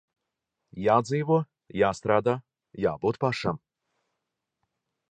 Jādzīvo, jāstrādā, jābūt pašam.